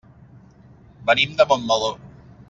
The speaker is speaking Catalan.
Venim de Montmeló.